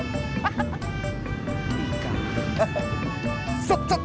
sup sup sup